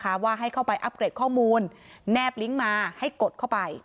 ว่าให้เข้าไปอัพเกรดข้อมูลแนบลิงก์มาให้กดเข้าไป